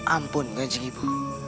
ampun kancing ibu